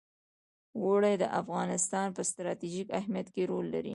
اوړي د افغانستان په ستراتیژیک اهمیت کې رول لري.